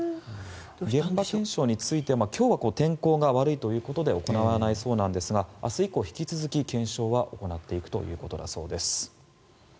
現場検証について今日は天候が悪いということで行わないそうなんですが明日以降、引き続き検証は行っていくということだそうです。